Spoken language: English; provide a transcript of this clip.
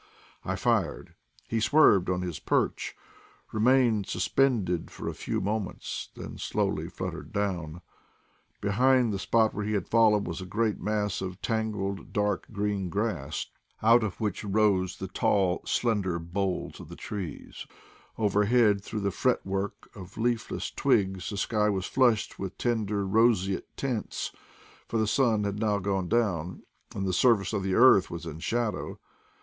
I fired; he swerved on his perch, remained suspended for a few mo ments, then slowly fluttered down. Behind the spot where he had fallen was a great mass of tangled dark green grass, out of which rose the tall, slender boles of the trees ; overhead through the fretwork of leafless twigs the sky was flushed with tender roseate tints, for the sun had now gone down and the surface of the earth was in shadow.